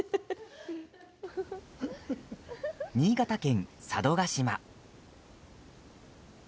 新潟県・佐渡島。